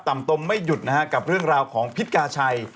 ตมไม่หยุดนะฮะกับเรื่องราวของพิษกาชัย